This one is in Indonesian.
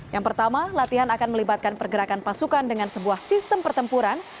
yang pertama latihan akan melibatkan pergerakan pasukan dengan sebuah sistem pertempuran